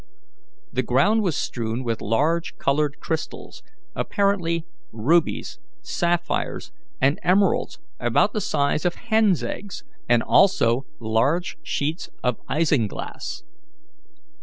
The ground was strewn with large coloured crystals, apparently rubies, sapphires, and emeralds, about the size of hens' eggs, and also large sheets of isinglass.